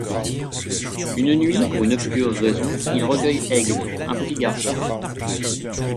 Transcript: Une nuit, pour une obscure raison, ils recueillent Eggs, un petit garçon.